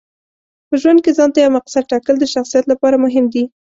په ژوند کې ځانته یو مقصد ټاکل د شخصیت لپاره مهم دي.